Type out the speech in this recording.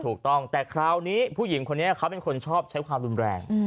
ถูกต้องแต่คราวนี้ผู้หญิงคนนี้เขาเป็นคนชอบใช้ความรุนแรง